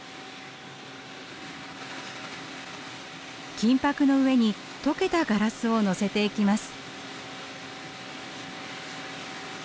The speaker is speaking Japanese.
金ぱくの上に溶けたガラスをのせていきます。